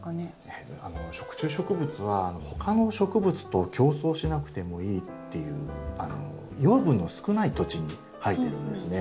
食虫植物は他の植物と競争しなくてもいいっていう養分の少ない土地に生えてるんですね。